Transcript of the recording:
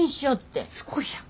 すごいやん。